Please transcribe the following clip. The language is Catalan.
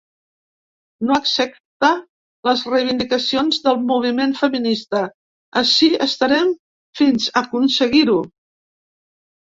No accepta les reivindicacions del moviment feminista, ací estarem fins aconseguir-ho!